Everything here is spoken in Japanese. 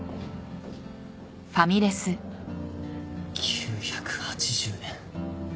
９８０円。